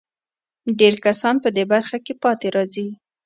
ډېر کسان په دې برخه کې پاتې راځي.